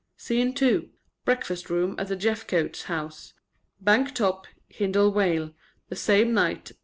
Scene 2. Breakfast room of the Jeffcotes' house, Bank Top, Hindle Vale, The same night.